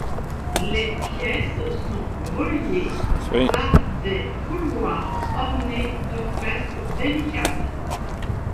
Les pièces sont reliées par des couloirs ornés de fresques délicates.